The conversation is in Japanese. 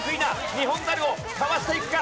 ニホンザルをかわしていくか？